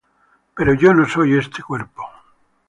Pero yo no soy este cuerpo.